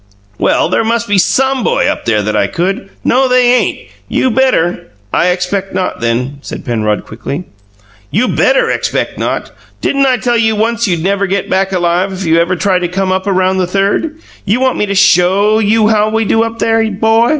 "Well, there must be SOME boy up there that I could " "No, they ain't! You better " "I expect not, then," said Penrod, quickly. "You BETTER 'expect not.' Didn't I tell you once you'd never get back alive if you ever tried to come up around the Third? You want me to SHOW you how we do up there, 'bo?"